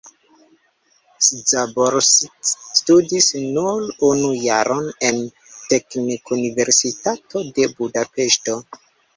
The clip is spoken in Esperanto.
Szabolcs studis nur unu jaron en Teknikuniversitato de Budapeŝto.